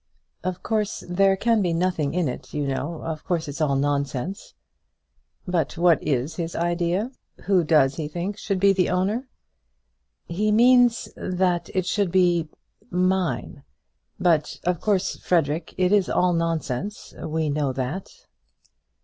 "Of course there can be nothing in it, you know; of course it's all nonsense." "But what is his idea? Who does he think should be the owner?" "He means that it should be mine. But of course, Frederic, it is all nonsense; we know that."